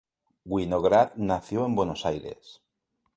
Winograd nació en Buenos Aires.